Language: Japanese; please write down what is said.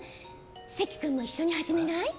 関君も一緒に始めない？